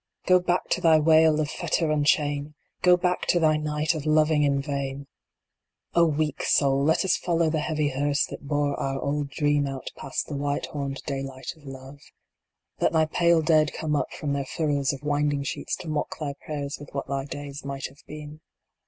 Go back to thy wail of fetter and chain ! Go back to thy night of loving in vain ! IV. O weak Soul ! let us follow the heavy hearse that bore our old Dream out past the white horned Daylight of Love. Let thy pale Dead come up from their furrows of winding sheets to mock thy prayers with what thy days might have been.